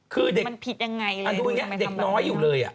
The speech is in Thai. คือเด็กมันผิดยังไงเลยดูเนี่ยเด็กน้อยอยู่เลย